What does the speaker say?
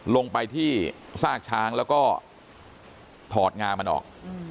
ลงไปที่ซากช้างแล้วก็ถอดงามันออก